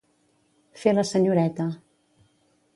Fer la senyoreta.